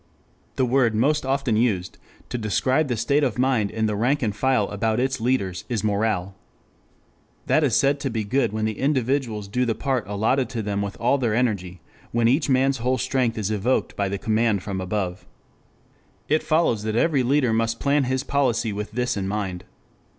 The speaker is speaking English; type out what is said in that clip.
The word most often used to describe the state of mind in the rank and file about its leaders is morale. That is said to be good when the individuals do the part allotted to them with all their energy; when each man's whole strength is evoked by the command from above. It follows that every leader must plan his policy with this in mind.